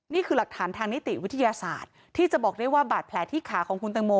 นี่คือหลักฐานทางนิติวิทยาศาสตร์ที่จะบอกได้ว่าบาดแผลที่ขาของคุณตังโม